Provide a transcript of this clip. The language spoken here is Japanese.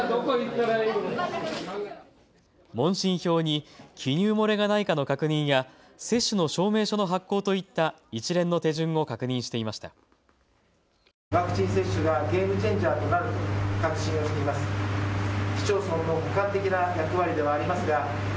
問診票に記入漏れがないかの確認や接種の証明書の発行といった一連の手順を確認していました。